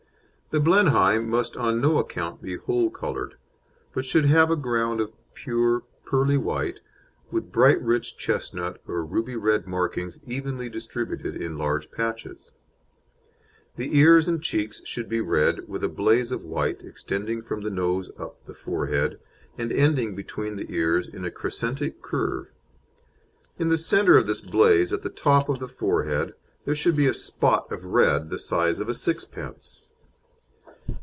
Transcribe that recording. The Blenheim must on no account be whole coloured, but should have a ground of pure pearly white, with bright rich chestnut or ruby red markings evenly distributed in large patches. The ears and cheeks should be red, with a blaze of white extending from the nose up the forehead, and ending between the ears in a crescentic curve. In the centre of this blaze at the top of the forehead there should be a clear "spot" of red, of the size of a sixpence.